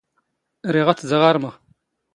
ⵔⵉⵖ ⴰⴷ ⵜ ⴷⴰⵖ ⴰⵔⵎⵖ.